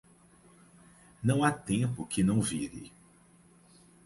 Não há tempo que não vire.